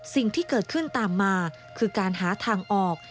สิ่งที่เกิดขึ้นตามมาคือการหาทางออก